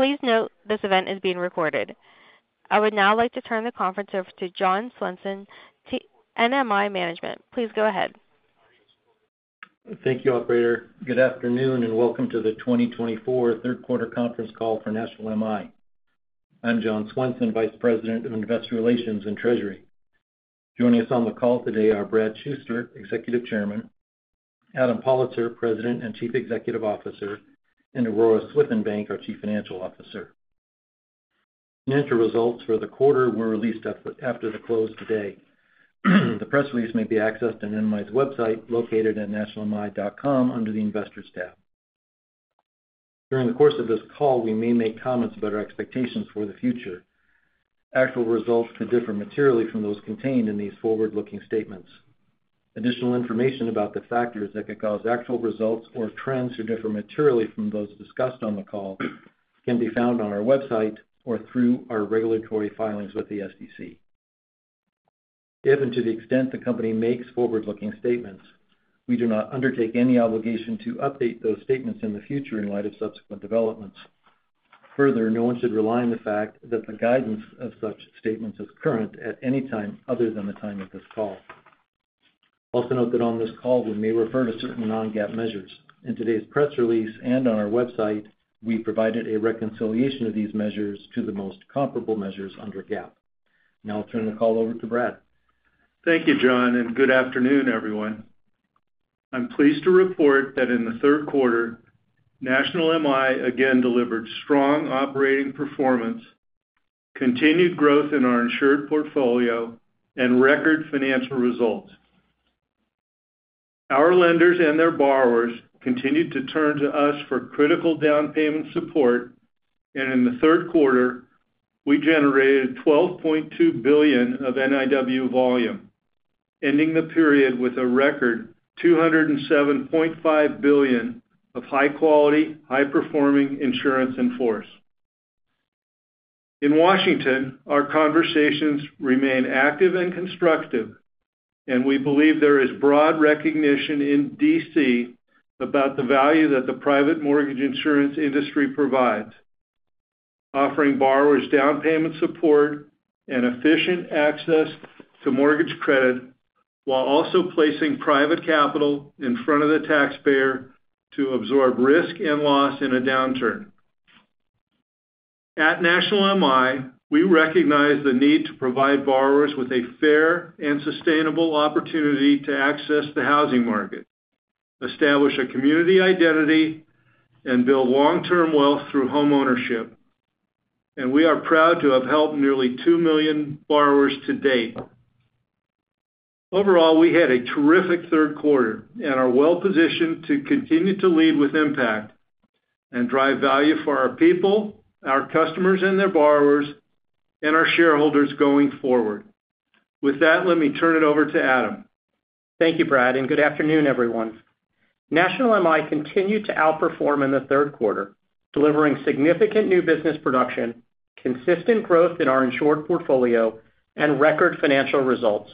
Please note this event is being recorded. I would now like to turn the conference over to Jon Swenson, NMI Management. Please go ahead. Thank you, Operator. Good afternoon and welcome to the 2024 Third Quarter Conference Call for National MI. I'm Jon Swenson, Vice President of Investor Relations and Treasury. Joining us on the call today are Brad Shuster, Executive Chairman; Adam Pollitzer, President and Chief Executive Officer; and Aurora Swithenbank, our Chief Financial Officer. Financial results for the quarter were released after the close today. The press release may be accessed on NMI's website located at nationalmi.com under the Investors tab. During the course of this call, we may make comments about our expectations for the future. Actual results could differ materially from those contained in these forward-looking statements. Additional information about the factors that could cause actual results or trends to differ materially from those discussed on the call can be found on our website or through our regulatory filings with the SEC. If and to the extent the company makes forward-looking statements, we do not undertake any obligation to update those statements in the future in light of subsequent developments. Further, no one should rely on the fact that the guidance of such statements is current at any time other than the time of this call. Also note that on this call, we may refer to certain non-GAAP measures. In today's press release and on our website, we provided a reconciliation of these measures to the most comparable measures under GAAP. Now I'll turn the call over to Brad. Thank you, Jon, and good afternoon, everyone. I'm pleased to report that in the third quarter, NMI again delivered strong operating performance, continued growth in our insured portfolio, and record financial results. Our lenders and their borrowers continued to turn to us for critical down payment support, and in the third quarter, we generated $12.2 billion of NIW volume, ending the period with a record $207.5 billion of high-quality, high-performing insurance in force. In Washington, our conversations remain active and constructive, and we believe there is broad recognition in D.C. about the value that the private mortgage insurance industry provides, offering borrowers down payment support and efficient access to mortgage credit while also placing private capital in front of the taxpayer to absorb risk and loss in a downturn. At NMI, we recognize the need to provide borrowers with a fair and sustainable opportunity to access the housing market, establish a community identity, and build long-term wealth through homeownership, and we are proud to have helped nearly two million borrowers to date. Overall, we had a terrific third quarter and are well positioned to continue to lead with impact and drive value for our people, our customers and their borrowers, and our shareholders going forward. With that, let me turn it over to Adam. Thank you, Brad, and good afternoon, everyone. National MI continued to outperform in the third quarter, delivering significant new business production, consistent growth in our insured portfolio, and record financial results.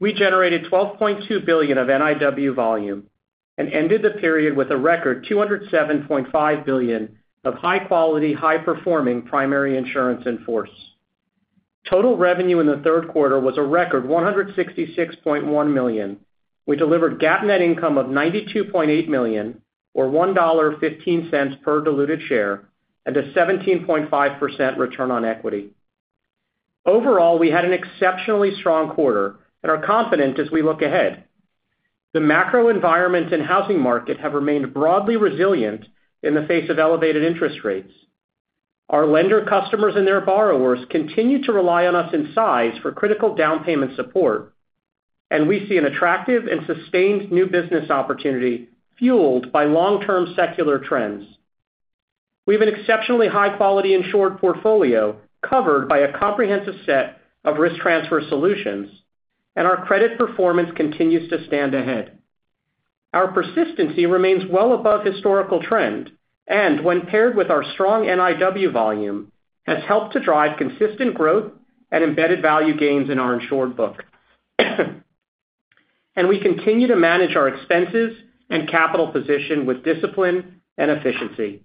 We generated $12.2 billion of NIW volume and ended the period with a record $207.5 billion of high-quality, high-performing primary insurance in force. Total revenue in the third quarter was a record $166.1 million. We delivered GAAP net income of $92.8 million, or $1.15 per diluted share, and a 17.5% return on equity. Overall, we had an exceptionally strong quarter and are confident as we look ahead. The macro environment and housing market have remained broadly resilient in the face of elevated interest rates. Our lender customers and their borrowers continue to rely on us in size for critical down payment support, and we see an attractive and sustained new business opportunity fueled by long-term secular trends. We have an exceptionally high-quality insured portfolio covered by a comprehensive set of risk transfer solutions, and our credit performance continues to stand ahead. Our persistency remains well above historical trend, and when paired with our strong NIW volume, has helped to drive consistent growth and embedded value gains in our insured book, and we continue to manage our expenses and capital position with discipline and efficiency,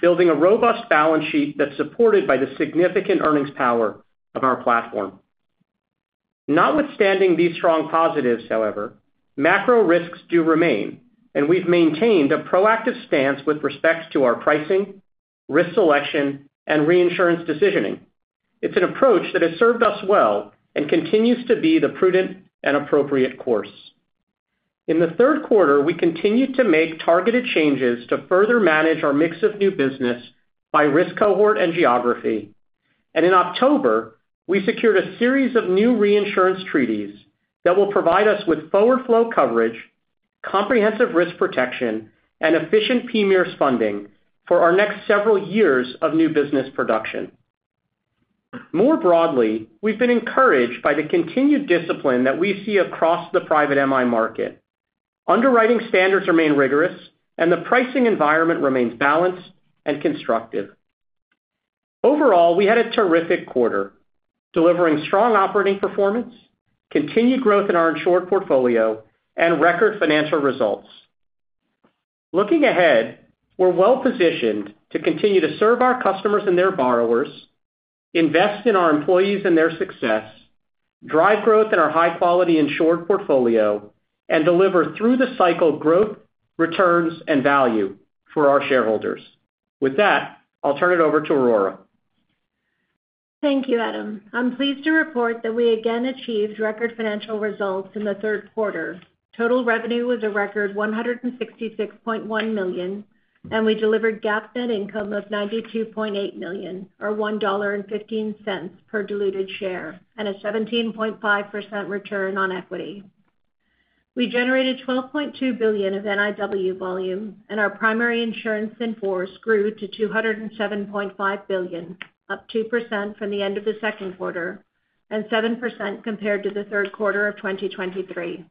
building a robust balance sheet that's supported by the significant earnings power of our platform. Notwithstanding these strong positives, however, macro risks do remain, and we've maintained a proactive stance with respect to our pricing, risk selection, and reinsurance decisioning. It's an approach that has served us well and continues to be the prudent and appropriate course. In the third quarter, we continued to make targeted changes to further manage our mix of new business by risk cohort and geography, and in October, we secured a series of new reinsurance treaties that will provide us with forward flow coverage, comprehensive risk protection, and efficient PMIERs funding for our next several years of new business production. More broadly, we've been encouraged by the continued discipline that we see across the private MI market. Underwriting standards remain rigorous, and the pricing environment remains balanced and constructive. Overall, we had a terrific quarter, delivering strong operating performance, continued growth in our insured portfolio, and record financial results. Looking ahead, we're well positioned to continue to serve our customers and their borrowers, invest in our employees and their success, drive growth in our high-quality insured portfolio, and deliver through the cycle growth, returns, and value for our shareholders. With that, I'll turn it over to Aurora. Thank you, Adam. I'm pleased to report that we again achieved record financial results in the third quarter. Total revenue was a record $166.1 million, and we delivered GAAP net income of $92.8 million, or $1.15 per diluted share, and a 17.5% return on equity. We generated $12.2 billion of NIW volume, and our primary insurance in force grew to $207.5 billion, up 2% from the end of the second quarter and 7% compared to the third quarter of 2023.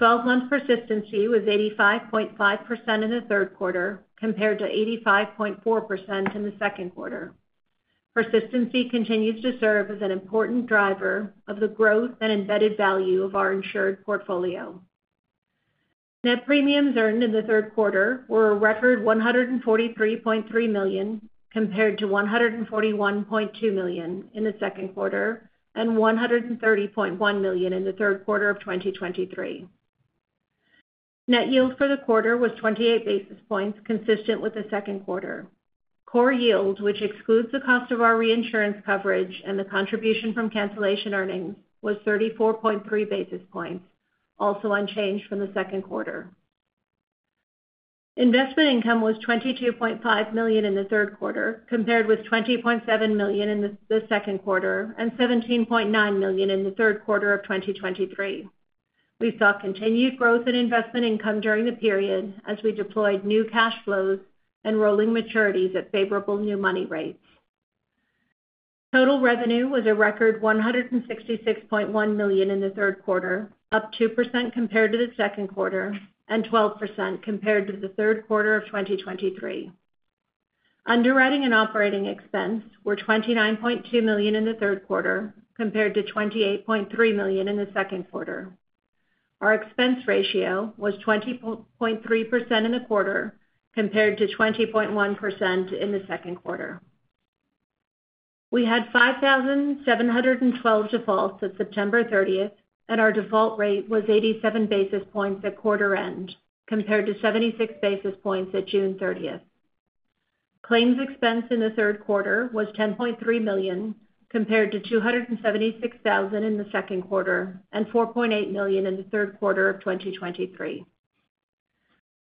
12-month persistency was 85.5% in the third quarter compared to 85.4% in the second quarter. Persistency continues to serve as an important driver of the growth and embedded value of our insured portfolio. Net premiums earned in the third quarter were a record $143.3 million compared to $141.2 million in the second quarter and $130.1 million in the third quarter of 2023. Net yield for the quarter was 28 basis points consistent with the second quarter. Core yield, which excludes the cost of our reinsurance coverage and the contribution from cancellation earnings, was 34.3 basis points, also unchanged from the second quarter. Investment income was $22.5 million in the third quarter compared with $20.7 million in the second quarter and $17.9 million in the third quarter of 2023. We saw continued growth in investment income during the period as we deployed new cash flows and rolling maturities at favorable new money rates. Total revenue was a record $166.1 million in the third quarter, up 2% compared to the second quarter and 12% compared to the third quarter of 2023. Underwriting and operating expenses were $29.2 million in the third quarter compared to $28.3 million in the second quarter. Our expense ratio was 20.3% in the quarter compared to 20.1% in the second quarter. We had 5,712 defaults at September 30th, and our default rate was 87 basis points at quarter end compared to 76 basis points at June 30th. Claims expense in the third quarter was $10.3 million compared to $276,000 in the second quarter and $4.8 million in the third quarter of 2023.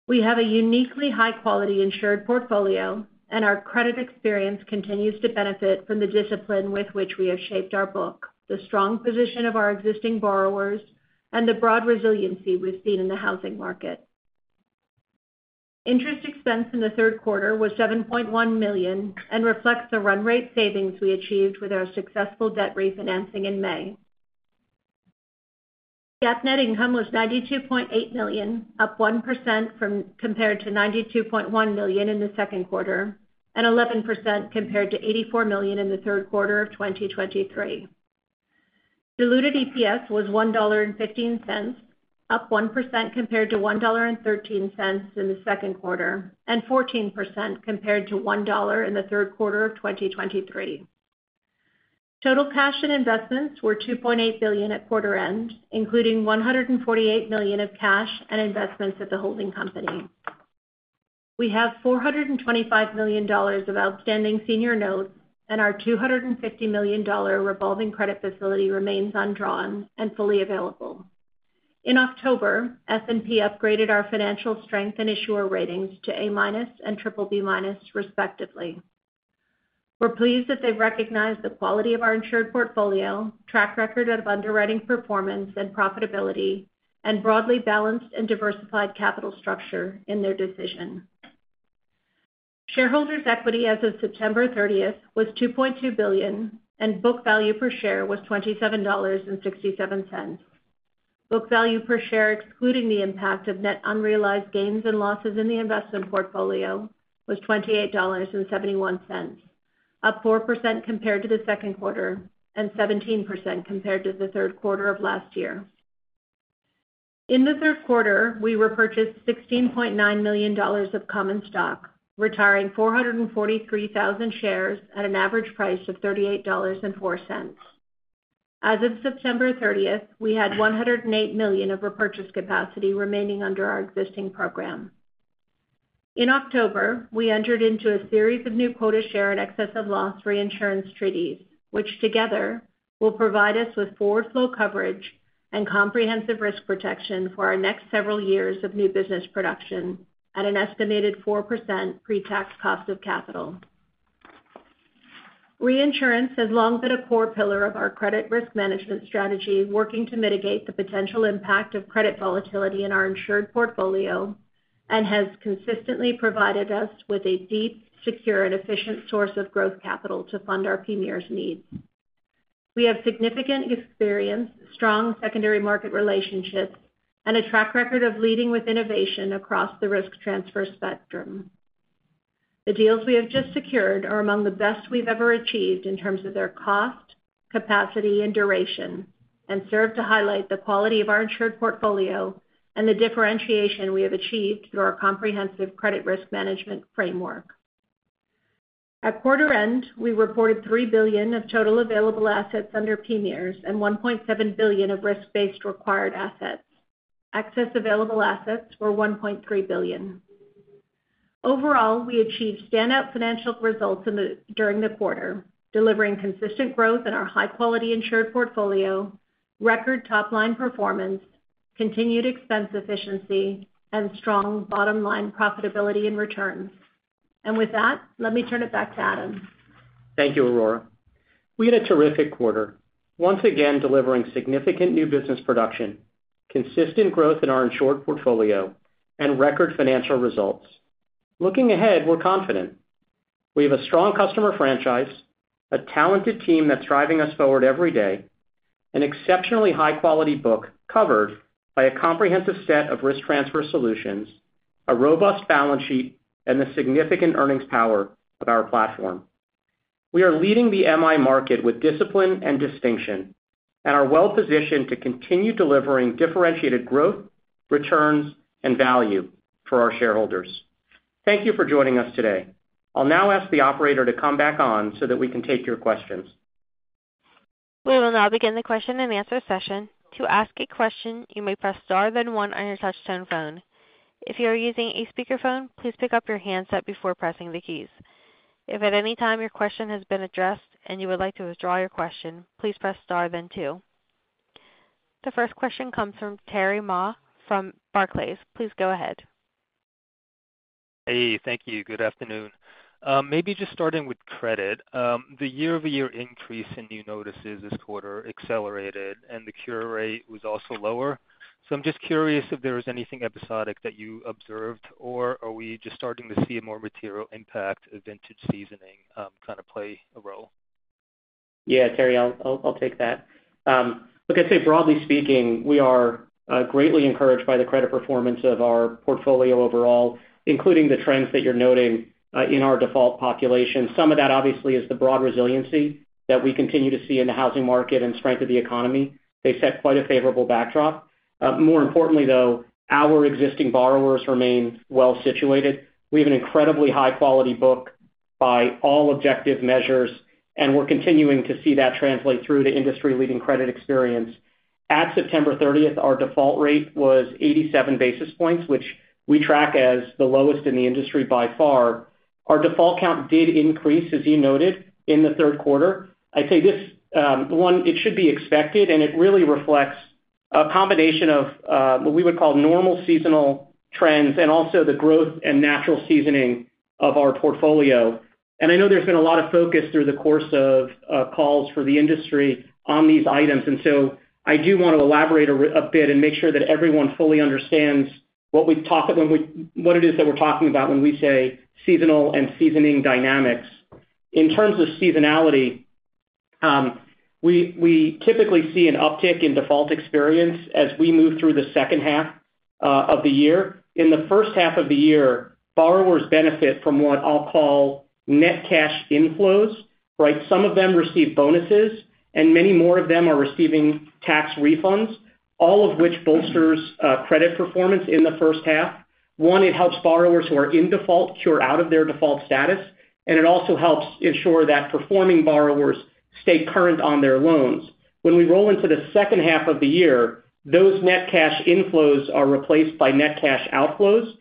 We have a uniquely high-quality insured portfolio, and our credit experience continues to benefit from the discipline with which we have shaped our book, the strong position of our existing borrowers, and the broad resiliency we've seen in the housing market. Interest expense in the third quarter was $7.1 million and reflects the run rate savings we achieved with our successful debt refinancing in May. GAAP net income was $92.8 million, up 1% compared to $92.1 million in the second quarter and 11% compared to $84 million in the third quarter of 2023. Diluted EPS was $1.15, up 1% compared to $1.13 in the second quarter and 14% compared to $1.00 in the third quarter of 2023. Total cash and investments were $2.8 billion at quarter end, including $148 million of cash and investments at the holding company. We have $425 million of outstanding senior notes, and our $250 million revolving credit facility remains undrawn and fully available. In October, S&P upgraded our financial strength and issuer ratings to A- and BBB- respectively. We're pleased that they've recognized the quality of our insured portfolio, track record of underwriting performance and profitability, and broadly balanced and diversified capital structure in their decision. Shareholders' equity as of September 30th was $2.2 billion, and book value per share was $27.67. Book value per share, excluding the impact of net unrealized gains and losses in the investment portfolio, was $28.71, up 4% compared to the second quarter and 17% compared to the third quarter of last year. In the third quarter, we repurchased $16.9 million of common stock, retiring 443,000 shares at an average price of $38.04. As of September 30th, we had $108 million of repurchase capacity remaining under our existing program. In October, we entered into a series of new quota share and excess of loss reinsurance treaties, which together will provide us with forward flow coverage and comprehensive risk protection for our next several years of new business production at an estimated 4% pre-tax cost of capital. Reinsurance has long been a core pillar of our credit risk management strategy, working to mitigate the potential impact of credit volatility in our insured portfolio and has consistently provided us with a deep, secure, and efficient source of growth capital to fund our PMIERs needs. We have significant experience, strong secondary market relationships, and a track record of leading with innovation across the risk transfer spectrum. The deals we have just secured are among the best we've ever achieved in terms of their cost, capacity, and duration, and serve to highlight the quality of our insured portfolio and the differentiation we have achieved through our comprehensive credit risk management framework. At quarter end, we reported $3 billion of total available assets under PMIERs and $1.7 billion of risk-based required assets. Excess available assets were $1.3 billion. Overall, we achieved standout financial results during the quarter, delivering consistent growth in our high-quality insured portfolio, record top-line performance, continued expense efficiency, and strong bottom-line profitability and returns. And with that, let me turn it back to Adam. Thank you, Aurora. We had a terrific quarter, once again delivering significant new business production, consistent growth in our insured portfolio, and record financial results. Looking ahead, we're confident. We have a strong customer franchise, a talented team that's driving us forward every day, an exceptionally high-quality book covered by a comprehensive set of risk transfer solutions, a robust balance sheet, and the significant earnings power of our platform. We are leading the MI market with discipline and distinction and are well positioned to continue delivering differentiated growth, returns, and value for our shareholders. Thank you for joining us today. I'll now ask the operator to come back on so that we can take your questions. We will now begin the question-and-answer session. To ask a question, you may press star then one on your touchtone phone. If you are using a speakerphone, please pick up your handset before pressing the keys. If at any time your question has been addressed and you would like to withdraw your question, please press star then two. The first question comes from Terry Ma from Barclays. Please go ahead. Hey, thank you. Good afternoon. Maybe just starting with credit. The year-over-year increase in new notices this quarter accelerated, and the cure rate was also lower. So I'm just curious if there was anything episodic that you observed, or are we just starting to see a more material impact of vintage seasoning kind of play a role? Yeah, Terry, I'll take that. Like I say, broadly speaking, we are greatly encouraged by the credit performance of our portfolio overall, including the trends that you're noting in our default population. Some of that obviously is the broad resiliency that we continue to see in the housing market and strength of the economy. They set quite a favorable backdrop. More importantly, though, our existing borrowers remain well situated. We have an incredibly high-quality book by all objective measures, and we're continuing to see that translate through to industry-leading credit experience. At September 30th, our default rate was 87 basis points, which we track as the lowest in the industry by far. Our default count did increase, as you noted, in the third quarter. I'd say this one, it should be expected, and it really reflects a combination of what we would call normal seasonal trends and also the growth and natural seasoning of our portfolio. And I know there's been a lot of focus through the course of calls for the industry on these items, and so I do want to elaborate a bit and make sure that everyone fully understands what it is that we're talking about when we say seasonal and seasoning dynamics. In terms of seasonality, we typically see an uptick in default experience as we move through the second half of the year. In the first half of the year, borrowers benefit from what I'll call net cash inflows. Some of them receive bonuses, and many more of them are receiving tax refunds, all of which bolsters credit performance in the first half. One, it helps borrowers who are in default cure out of their default status, and it also helps ensure that performing borrowers stay current on their loans. When we roll into the second half of the year, those net cash inflows are replaced by net cash outflows.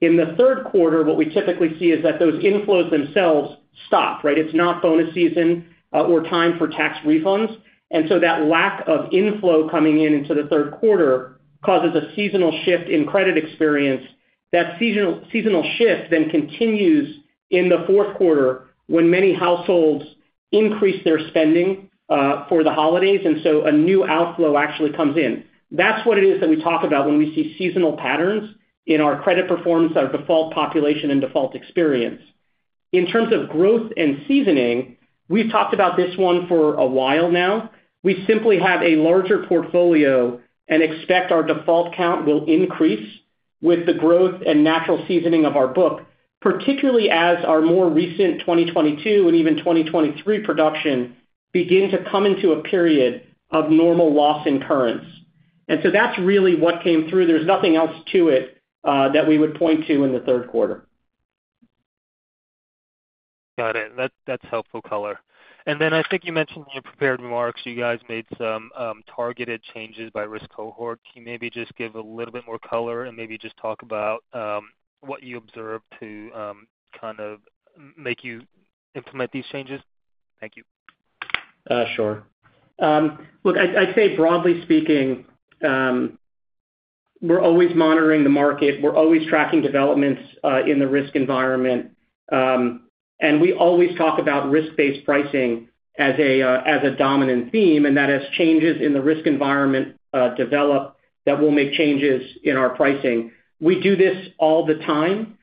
In the third quarter, what we typically see is that those inflows themselves stop. It's not bonus season or time for tax refunds, and so that lack of inflow coming into the third quarter causes a seasonal shift in credit experience. That seasonal shift then continues in the fourth quarter when many households increase their spending for the holidays, and so a new outflow actually comes in. That's what it is that we talk about when we see seasonal patterns in our credit performance, our default population, and default experience. In terms of growth and seasoning, we've talked about this one for a while now. We simply have a larger portfolio and expect our default count will increase with the growth and natural seasoning of our book, particularly as our more recent 2022 and even 2023 production begin to come into a period of normal loss incurrence, and so that's really what came through. There's nothing else to it that we would point to in the third quarter. Got it. That's helpful color, and then I think you mentioned in your prepared remarks you guys made some targeted changes by risk cohort. Can you maybe just give a little bit more color and maybe just talk about what you observed to kind of make you implement these changes? Thank you. Sure. Look, I'd say, broadly speaking, we're always monitoring the market. We're always tracking developments in the risk environment, and we always talk about risk-based pricing as a dominant theme, and that as changes in the risk environment develop, that we'll make changes in our pricing. We do this all the time.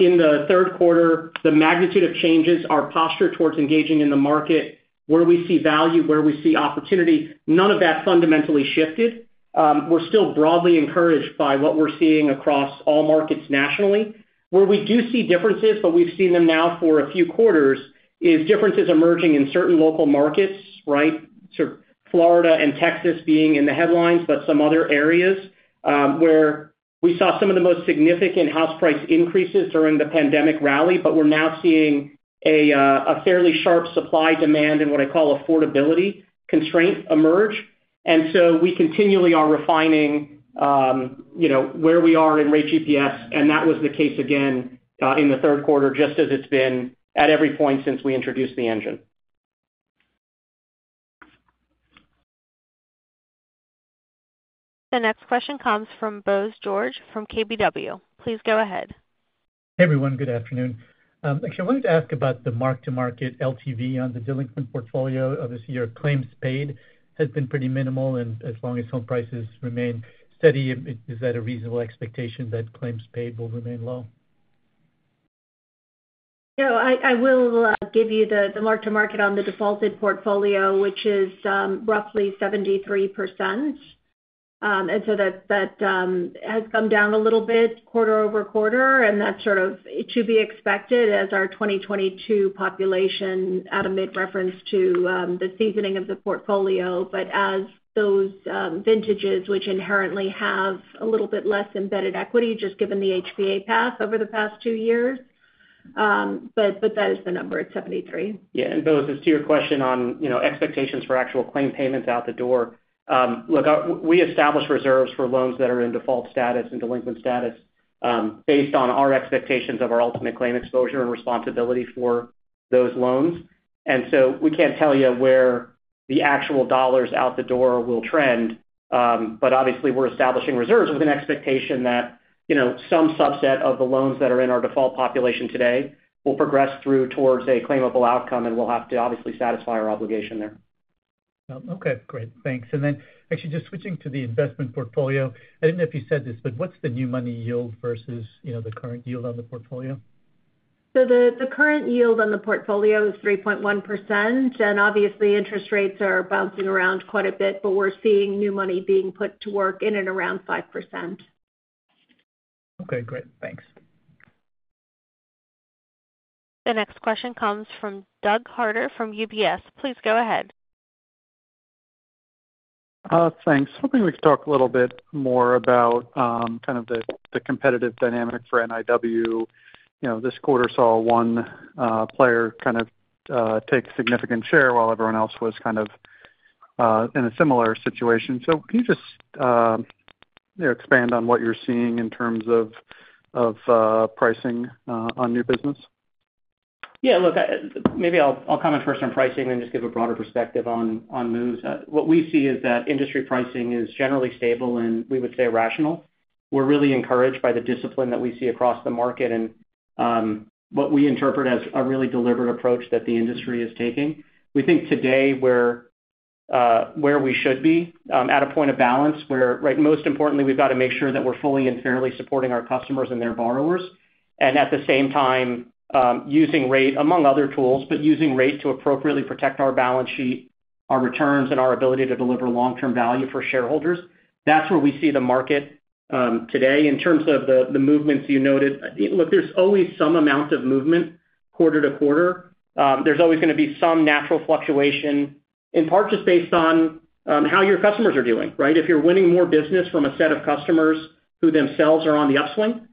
In the third quarter, the magnitude of changes, our posture towards engaging in the market, where we see value, where we see opportunity, none of that fundamentally shifted. We're still broadly encouraged by what we're seeing across all markets nationally. Where we do see differences, but we've seen them now for a few quarters, is differences emerging in certain local markets, Florida and Texas being in the headlines, but some other areas where we saw some of the most significant house price increases during the pandemic rally, but we're now seeing a fairly sharp supply-demand and what I call affordability constraint emerge. We continually are refining where we are in Rate GPS, and that was the case again in the third quarter, just as it's been at every point since we introduced the engine. The next question comes from Bose George from KBW. Please go ahead. Hey, everyone. Good afternoon. Actually, I wanted to ask about the mark-to-market LTV on the delinquency portfolio. Obviously, your claims paid has been pretty minimal, and as long as home prices remain steady, is that a reasonable expectation that claims paid will remain low? Yeah. I will give you the mark-to-market on the defaulted portfolio, which is roughly 73%. And so that has come down a little bit quarter over quarter, and that's sort of to be expected as our 2022 population Adam made reference to the seasoning of the portfolio. But as those vintages, which inherently have a little bit less embedded equity just given the HPA path over the past two years, but that is the number, it's 73%. Yeah. And Bose, to your question on expectations for actual claim payments out the door. Look, we establish reserves for loans that are in default status and delinquent status based on our expectations of our ultimate claim exposure and responsibility for those loans. And so we can't tell you where the actual dollars out the door will trend, but obviously, we're establishing reserves with an expectation that some subset of the loans that are in our default population today will progress through towards a claimable outcome, and we'll have to obviously satisfy our obligation there. Okay. Great. Thanks. And then actually, just switching to the investment portfolio, I didn't know if you said this, but what's the new money yield versus the current yield on the portfolio? The current yield on the portfolio is 3.1%, and obviously, interest rates are bouncing around quite a bit, but we're seeing new money being put to work in and around 5%. Okay. Great. Thanks. The next question comes from Doug Harter from UBS. Please go ahead. Thanks. Hoping we could talk a little bit more about kind of the competitive dynamic for NIW. This quarter saw one player kind of take significant share while everyone else was kind of in a similar situation. So can you just expand on what you're seeing in terms of pricing on new business? Yeah. Look, maybe I'll comment first on pricing and then just give a broader perspective on moves. What we see is that industry pricing is generally stable and we would say rational. We're really encouraged by the discipline that we see across the market and what we interpret as a really deliberate approach that the industry is taking. We think today we're where we should be at a point of balance where, most importantly, we've got to make sure that we're fully and fairly supporting our customers and their borrowers, and at the same time, using rate, among other tools, but using rate to appropriately protect our balance sheet, our returns, and our ability to deliver long-term value for shareholders. That's where we see the market today in terms of the movements you noted. Look, there's always some amount of movement quarter to quarter. There's always going to be some natural fluctuation, in part just based on how your customers are doing. If you're winning more business from a set of customers who themselves are on the upswing,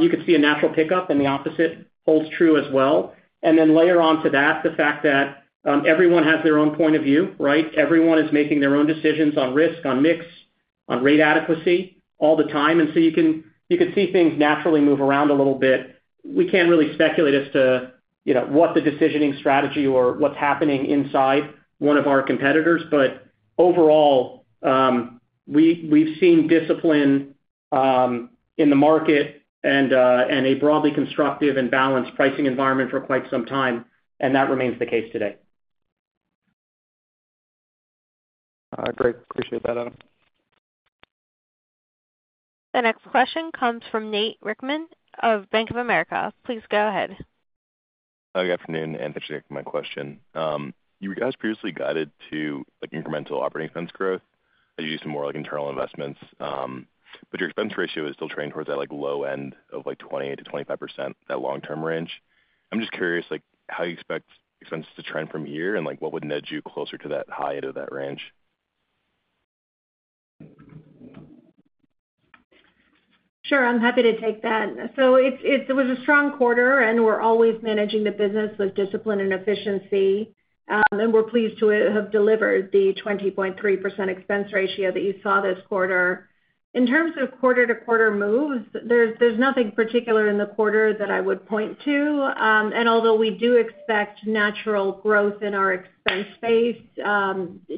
you could see a natural pickup, and the opposite holds true as well, and then layer onto that the fact that everyone has their own point of view. Everyone is making their own decisions on risk, on mix, on rate adequacy all the time, and so you can see things naturally move around a little bit. We can't really speculate as to what the decisioning strategy or what's happening inside one of our competitors, but overall, we've seen discipline in the market and a broadly constructive and balanced pricing environment for quite some time, and that remains the case today. Great. Appreciate that, Adam. The next question comes from Nate Richman of Bank of America. Please go ahead. Good afternoon. Brad Shuster, my question. You guys previously guided to incremental operating expense growth. You do some more internal investments, but your expense ratio is still trending towards that low end of 20%-25%, that long-term range. I'm just curious how you expect expenses to trend from here and what would nudge you closer to that high end of that range? Sure. I'm happy to take that. So it was a strong quarter, and we're always managing the business with discipline and efficiency, and we're pleased to have delivered the 20.3% expense ratio that you saw this quarter. In terms of quarter-to-quarter moves, there's nothing particular in the quarter that I would point to. And although we do expect natural growth in our expense space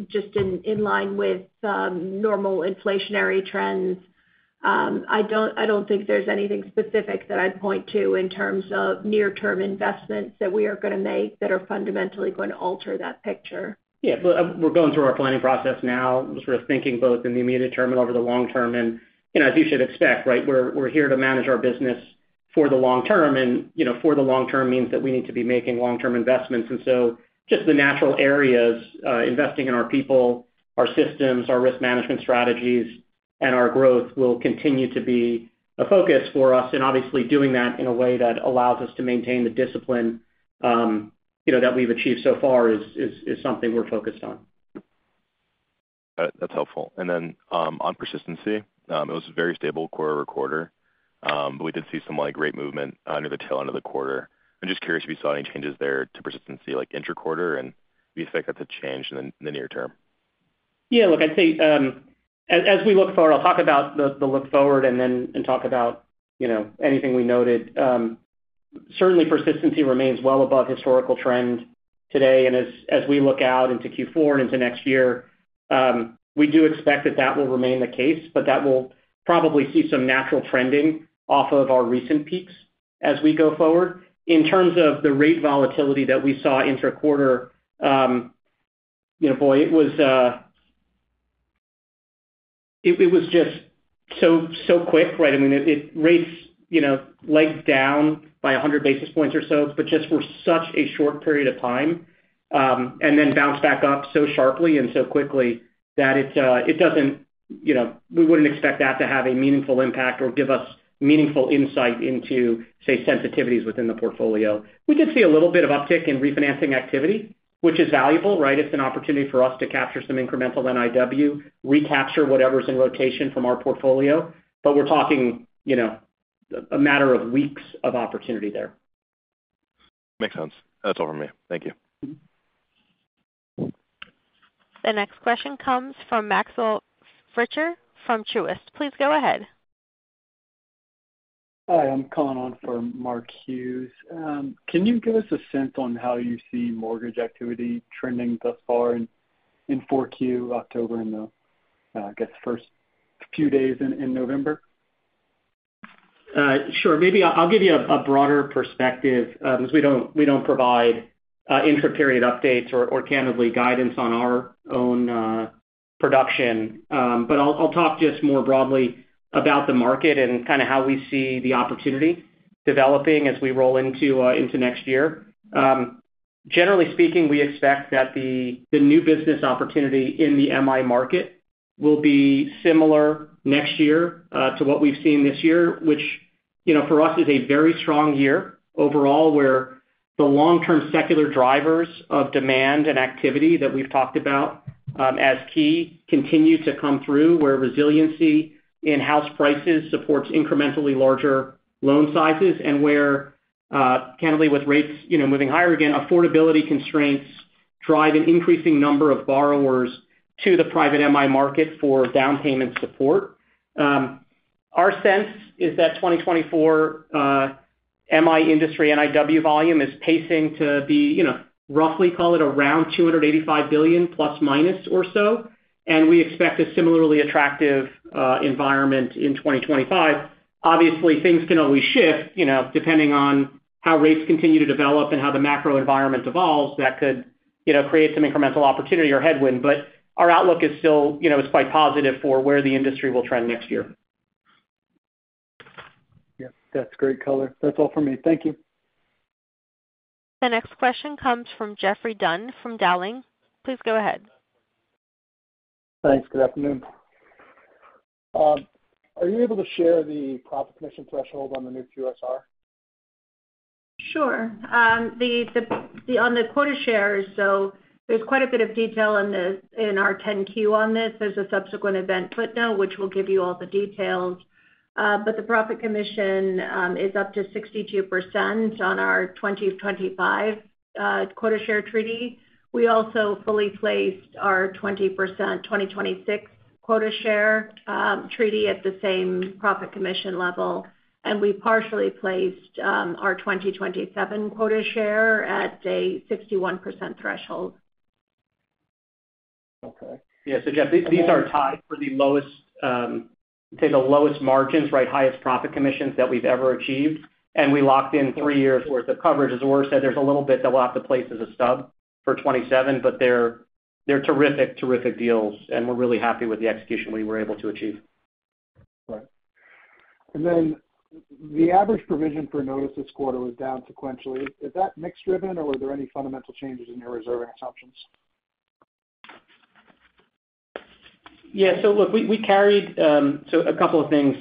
just in line with normal inflationary trends, I don't think there's anything specific that I'd point to in terms of near-term investments that we are going to make that are fundamentally going to alter that picture. Yeah. But we're going through our planning process now, sort of thinking both in the immediate term and over the long term. And as you should expect, we're here to manage our business for the long term, and for the long term means that we need to be making long-term investments. And so just the natural areas, investing in our people, our systems, our risk management strategies, and our growth will continue to be a focus for us. And obviously, doing that in a way that allows us to maintain the discipline that we've achieved so far is something we're focused on. That's helpful. And then on persistency, it was a very stable quarter to quarter, but we did see some great movement near the tail end of the quarter. I'm just curious if you saw any changes there to persistency like interquarter and the effect that's changed in the near term? Yeah. Look, I'd say as we look forward, I'll talk about the look forward and then talk about anything we noted. Certainly, persistency remains well above historical trend today. And as we look out into Q4 and into next year, we do expect that that will remain the case, but that will probably see some natural trending off of our recent peaks as we go forward. In terms of the rate volatility that we saw interquarter, boy, it was just so quick. I mean, rates legged down by 100 basis points or so, but just for such a short period of time, and then bounced back up so sharply and so quickly that it doesn't, we wouldn't expect that to have a meaningful impact or give us meaningful insight into, say, sensitivities within the portfolio. We did see a little bit of uptick in refinancing activity, which is valuable. It's an opportunity for us to capture some incremental NIW, recapture whatever's in rotation from our portfolio, but we're talking a matter of weeks of opportunity there. Makes sense. That's all from me. Thank you. The next question comes from Maxwell Fritscher from Truist. Please go ahead. Hi. I'm calling on for Mark Hughes. Can you give us a sense on how you see mortgage activity trending thus far in 4Q, October, and the, I guess, first few days in November? Sure. Maybe I'll give you a broader perspective because we don't provide inter-period updates or, candidly, guidance on our own production, but I'll talk just more broadly about the market and kind of how we see the opportunity developing as we roll into next year. Generally speaking, we expect that the new business opportunity in the MI market will be similar next year to what we've seen this year, which for us is a very strong year overall where the long-term secular drivers of demand and activity that we've talked about as key continue to come through, where resiliency in house prices supports incrementally larger loan sizes, and where, candidly, with rates moving higher again, affordability constraints drive an increasing number of borrowers to the private MI market for down payment support. Our sense is that 2024 MI industry NIW volume is pacing to be roughly call it around $285 billion plus minus or so, and we expect a similarly attractive environment in 2025. Obviously, things can always shift depending on how rates continue to develop and how the macro environment evolves. That could create some incremental opportunity or headwind, but our outlook is still quite positive for where the industry will trend next year. Yeah. That's great color. That's all for me. Thank you. The next question comes from Geoffrey Dunn from Dowling. Please go ahead. Thanks. Good afternoon. Are you able to share the profit commission threshold on the new QSR? Sure. On the quota shares, so there's quite a bit of detail in our 10-Q on this. There's a subsequent event footnote which will give you all the details. But the profit commission is up to 62% on our 2025 quota share treaty. We also fully placed our 2026 quota share treaty at the same profit commission level, and we partially placed our 2027 quota share at a 61% threshold. Okay. Yeah. So Jeff, these are tied for the lowest margins, highest profit commissions that we've ever achieved, and we locked in three years' worth of coverage. As we said, there's a little bit that we'll have to place as a stub for 2027, but they're terrific, terrific deals, and we're really happy with the execution we were able to achieve. Right. And then the average provision for notices this quarter was down sequentially. Is that mix driven, or were there any fundamental changes in your reserving assumptions? Yeah. So look, a couple of things.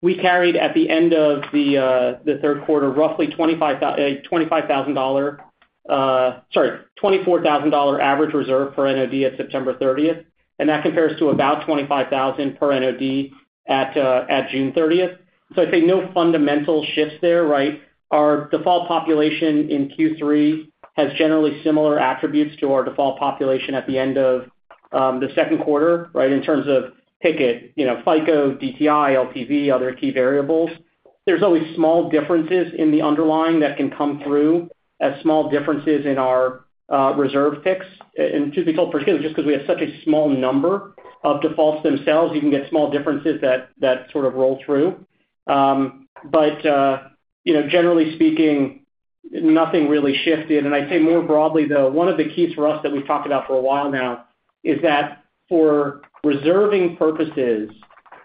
We carried at the end of the third quarter roughly $25,000 sorry, $24,000 average reserve per NOD at September 30th, and that compares to about $25,000 per NOD at June 30th. So I'd say no fundamental shifts there. Our default population in Q3 has generally similar attributes to our default population at the end of the second quarter in terms of bucket, FICO, DTI, LTV, other key variables. There's always small differences in the underlying that can come through as small differences in our reserve picks. And to be fair, particularly just because we have such a small number of defaults themselves, you can get small differences that sort of roll through. But generally speaking, nothing really shifted. And I'd say more broadly, though, one of the keys for us that we've talked about for a while now is that for reserving purposes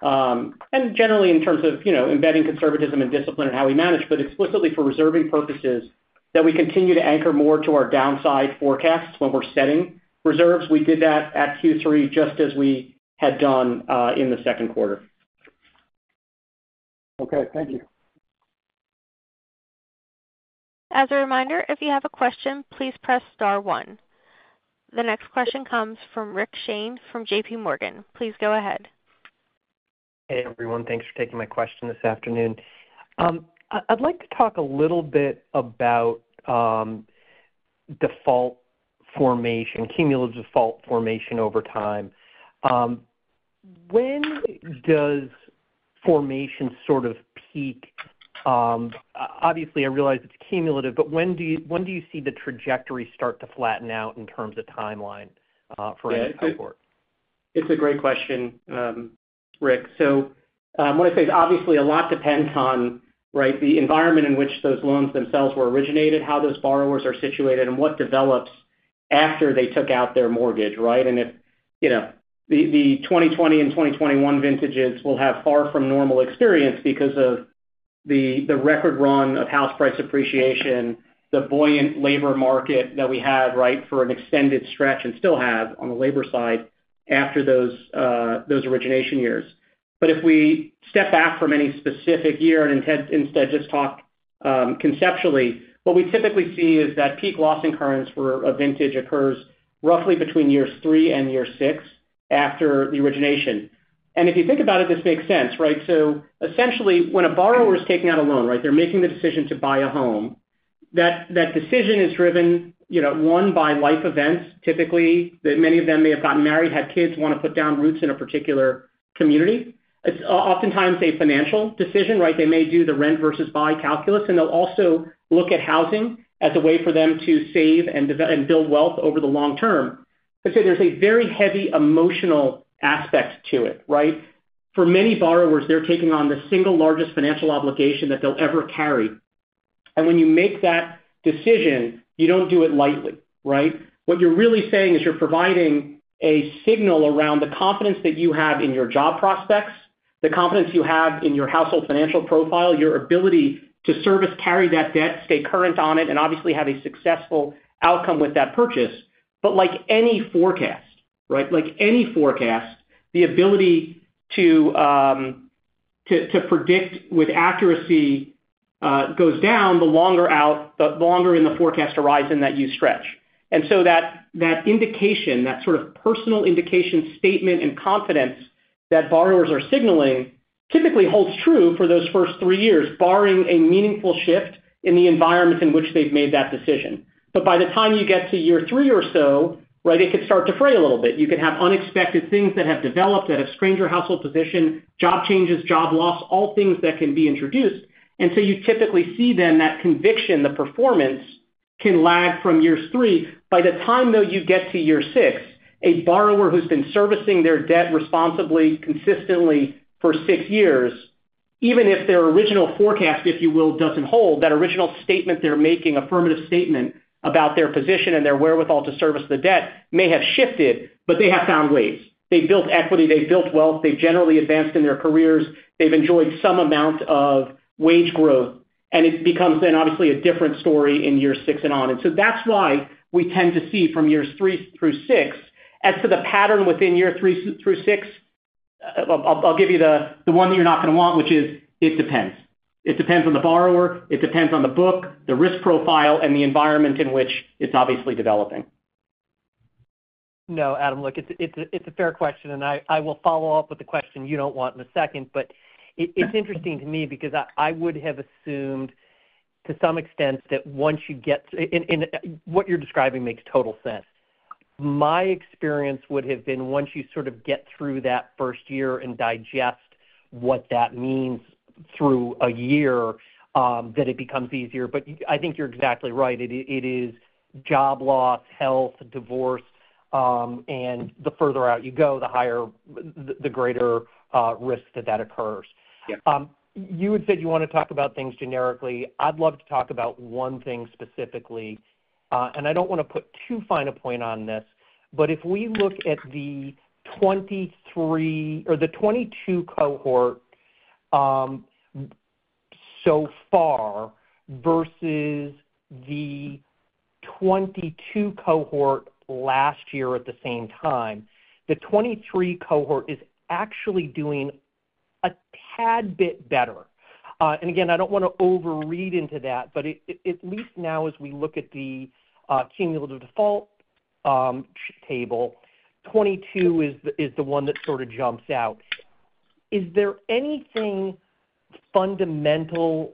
and generally in terms of embedding conservatism and discipline and how we manage, but explicitly for reserving purposes that we continue to anchor more to our downside forecasts when we're setting reserves. We did that at Q3 just as we had done in the second quarter. Okay. Thank you. As a reminder, if you have a question, please press star one. The next question comes from Rick Shane from JPMorgan. Please go ahead. Hey, everyone. Thanks for taking my question this afternoon. I'd like to talk a little bit about default formation, cumulative default formation over time. When does formation sort of peak? Obviously, I realize it's cumulative, but when do you see the trajectory start to flatten out in terms of timeline for any support? It's a great question, Rick. So what I say is obviously a lot depends on the environment in which those loans themselves were originated, how those borrowers are situated, and what develops after they took out their mortgage. And if the 2020 and 2021 vintages will have far from normal experience because of the record run of house price appreciation, the buoyant labor market that we had for an extended stretch and still have on the labor side after those origination years. But if we step back from any specific year and instead just talk conceptually, what we typically see is that peak loss incurrence for a vintage occurs roughly between years three and year six after the origination. And if you think about it, this makes sense. So essentially, when a borrower is taking out a loan, they're making the decision to buy a home. That decision is driven, one, by life events, typically, that many of them may have gotten married, had kids, want to put down roots in a particular community. It's oftentimes a financial decision. They may do the rent versus buy calculus, and they'll also look at housing as a way for them to save and build wealth over the long term. I'd say there's a very heavy emotional aspect to it. For many borrowers, they're taking on the single largest financial obligation that they'll ever carry. And when you make that decision, you don't do it lightly. What you're really saying is you're providing a signal around the confidence that you have in your job prospects, the confidence you have in your household financial profile, your ability to service, carry that debt, stay current on it, and obviously have a successful outcome with that purchase. But like any forecast, the ability to predict with accuracy goes down the longer in the forecast horizon that you stretch. And so that indication, that sort of personal indication statement and confidence that borrowers are signaling typically holds true for those first three years, barring a meaningful shift in the environment in which they've made that decision. But by the time you get to year three or so, it could start to fray a little bit. You can have unexpected things that have developed that have strained household position, job changes, job loss, all things that can be introduced. And so you typically see then that conviction, the performance can lag from years three. By the time, though, you get to year six, a borrower who's been servicing their debt responsibly, consistently for six years, even if their original forecast, if you will, doesn't hold, that original statement they're making, affirmative statement about their position and their wherewithal to service the debt may have shifted, but they have found ways. They've built equity. They've built wealth. They've generally advanced in their careers. They've enjoyed some amount of wage growth, and it becomes then obviously a different story in year six and on, and so that's why we tend to see from years three through six. As to the pattern within year three through six, I'll give you the one that you're not going to want, which is it depends. It depends on the borrower. It depends on the book, the risk profile, and the environment in which it's obviously developing. No, Adam, look, it's a fair question, and I will follow up with the question you don't want in a second. But it's interesting to me because I would have assumed to some extent that once you get what you're describing makes total sense. My experience would have been once you sort of get through that first year and digest what that means through a year, that it becomes easier. But I think you're exactly right. It is job loss, health, divorce, and the further out you go, the greater risk that that occurs. You had said you want to talk about things generically. I'd love to talk about one thing specifically. I don't want to put too fine a point on this, but if we look at the 2023 or the 2022 cohort so far versus the 2022 cohort last year at the same time, the 2023 cohort is actually doing a tad bit better. And again, I don't want to overread into that, but at least now as we look at the cumulative default table, 2022 is the one that sort of jumps out. Is there anything fundamentally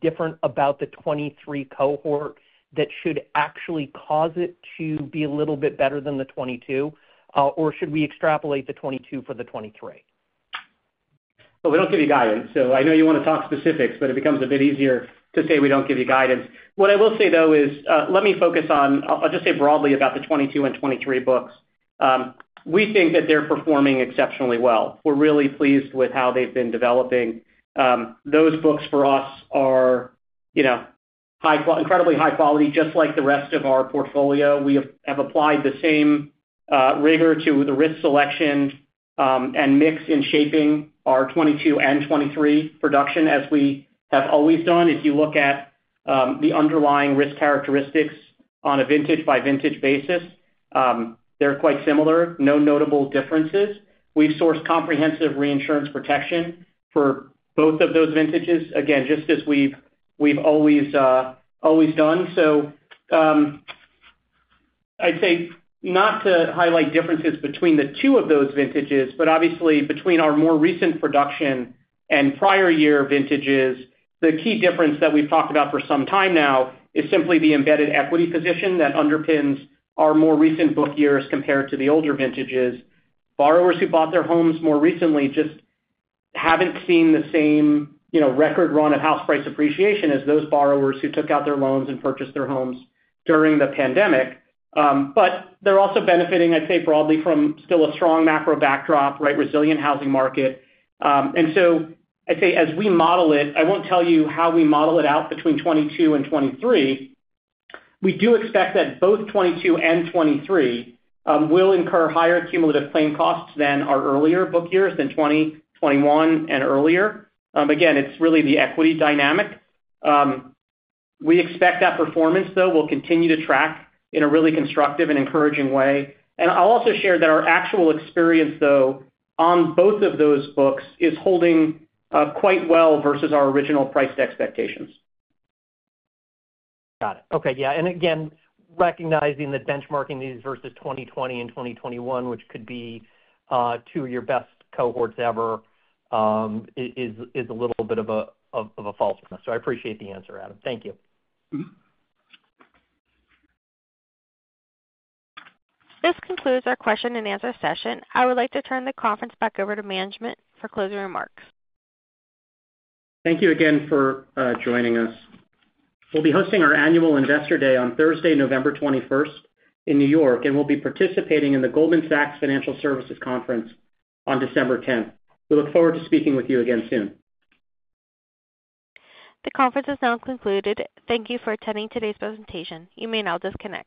different about the 2023 cohort that should actually cause it to be a little bit better than the 2022, or should we extrapolate the 2022 for the 2023? We don't give you guidance. I know you want to talk specifics, but it becomes a bit easier to say we don't give you guidance. What I will say, though, is let me focus on. I'll just say broadly about the 2022 and 2023 books. We think that they're performing exceptionally well. We're really pleased with how they've been developing. Those books for us are incredibly high quality, just like the rest of our portfolio. We have applied the same rigor to the risk selection and mix in shaping our 2022 and 2023 production as we have always done. If you look at the underlying risk characteristics on a vintage-by-vintage basis, they're quite similar. No notable differences. We've sourced comprehensive reinsurance protection for both of those vintages, again, just as we've always done. I'd say not to highlight differences between the two of those vintages, but obviously between our more recent production and prior year vintages, the key difference that we've talked about for some time now is simply the embedded equity position that underpins our more recent book years compared to the older vintages. Borrowers who bought their homes more recently just haven't seen the same record run of house price appreciation as those borrowers who took out their loans and purchased their homes during the pandemic. But they're also benefiting, I'd say, broadly from still a strong macro backdrop, resilient housing market, and so I'd say as we model it, I won't tell you how we model it out between 2022 and 2023. We do expect that both 2022 and 2023 will incur higher cumulative claim costs than our earlier book years, than 2021 and earlier. Again, it's really the equity dynamic. We expect that performance, though, will continue to track in a really constructive and encouraging way, and I'll also share that our actual experience, though, on both of those books is holding quite well versus our original priced expectations. Got it. Okay. Yeah, and again, recognizing that benchmarking these versus 2020 and 2021, which could be two of your best cohorts ever, is a little bit of a false one, so I appreciate the answer, Adam. Thank you. This concludes our question-and-answer session. I would like to turn the conference back over to management for closing remarks. Thank you again for joining us. We'll be hosting our annual Investor Day on Thursday, November 21st in New York, and we'll be participating in the Goldman Sachs Financial Services Conference on December 10th. We look forward to speaking with you again soon. The conference is now concluded. Thank you for attending today's presentation. You may now disconnect.